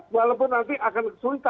walaupun nanti akan kesulitan